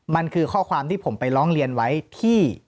มันคือข้อความที่ผมไปร้องเรียนไว้ที่